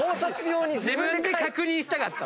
自分で確認したかったの。